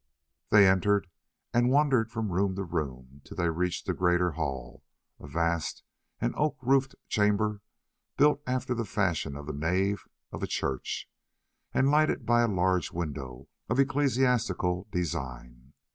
They entered and wandered from room to room till they reached the greater hall, a vast and oak roofed chamber built after the fashion of the nave of a church, and lighted by a large window of ecclesiastical design.